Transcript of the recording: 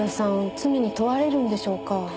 罪に問われるんでしょうか？